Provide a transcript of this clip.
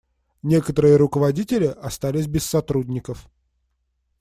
Некоторые руководители остались без сотрудников.